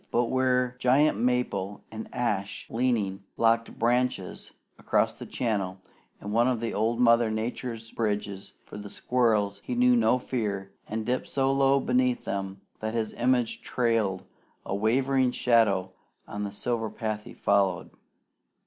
But where giant maple and ash, leaning, locked branches across the channel in one of old Mother Nature's bridges for the squirrels, he knew no fear, and dipped so low beneath them that his image trailed a wavering shadow on the silver path he followed.